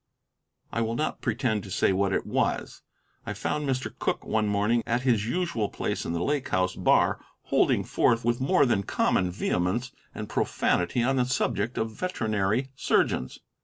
I will not pretend to say what it was. I found Mr. Cooke one morning at his usual place in the Lake House bar holding forth with more than common vehemence and profanity on the subject of veterinary surgeons.